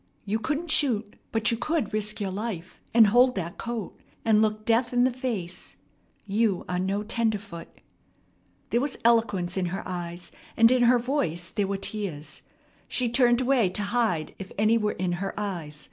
You couldn't shoot; but you could risk your life, and hold that coat, and look death in the face. You are no tenderfoot." There was eloquence in her eyes, and in her voice there were tears. She turned away to hide if any were in her eyes.